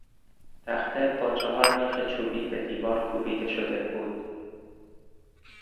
تخته با چهار میخ چوبی به دیوار کوبیده شده بود.